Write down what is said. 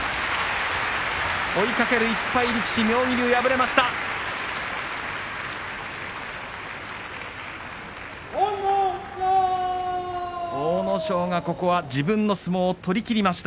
追いかける１敗力士妙義龍敗れました。